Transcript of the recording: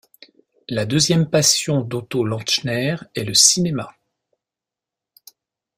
La deuxième passion d'Otto Lantschner est le cinéma.